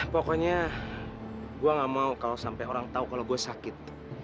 pokoknya gue gak mau kalau sampai orang tahu kalau gue sakit